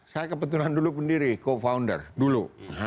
saya kebetulan dulu pendiri co founder dulu